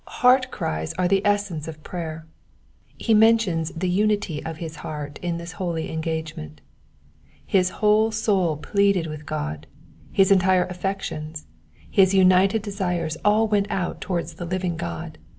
Heart cries are the essence of prayer. He mentions the unity of his heart in this holy engagement. Bis whole soul pleaded with G^, his entire affections, his umted desires all went out towards the living God.